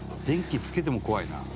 「電気つけても怖いな」